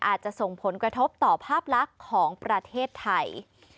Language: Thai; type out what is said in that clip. อาจจะส่งผลกระทบต่อภาพลักษณ์ของประเทศไทย